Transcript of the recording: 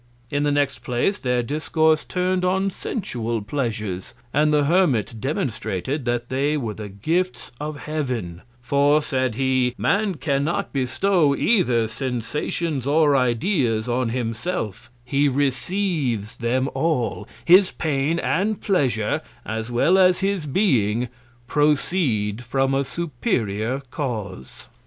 In the next Place, their Discourse turn'd on sensual Pleasures; and the Hermit demonstrated, that they were the Gifts of Heaven; for, said he, Man cannot bestow either Sensations or Ideas on himself; he receives them all; his Pain and Pleasure, as well as his Being, proceed from a superior Cause.